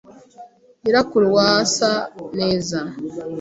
Nyirakuru wa asa neza.